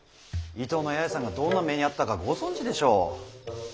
伊東の八重さんがどんな目に遭ったかご存じでしょう。